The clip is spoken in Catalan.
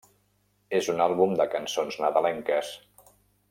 És un àlbum de cançons nadalenques.